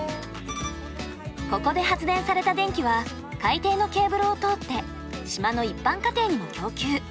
ここで発電された電気は海底のケーブルを通って島の一般家庭にも供給。